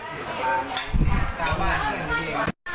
ในล่าลอยมีกล้องไปไปมามามา